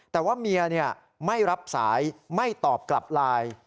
แต่ว่าเมียไม่รับสายไม่ตอบกลับไลน์